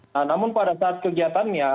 nah namun pada saat kegiatannya